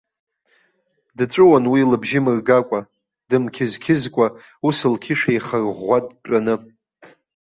Дҵәуон уи лыбжьы мыргакәа, дымқьызқьызкәа, ус лқьышә еихарӷәӷәа дтәаны.